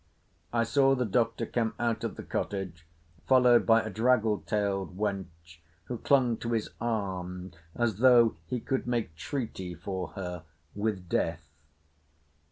I saw the Doctor come out of the cottage followed by a draggle tailed wench who clung to his arm as though he could make treaty for her with Death.